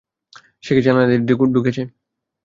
সে কি জানালা দিয়ে ঢুকেছে?